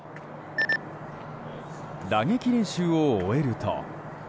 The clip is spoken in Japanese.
打撃練習を終えると。